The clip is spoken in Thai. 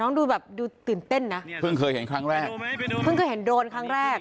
ดูแบบดูตื่นเต้นนะเพิ่งเคยเห็นครั้งแรกเพิ่งเคยเห็นโดรนครั้งแรก